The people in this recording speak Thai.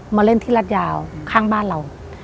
มาเล่นที่รัฐยาวข้างบ้านเรา